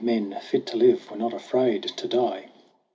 Men, fit to live, were not afraid to die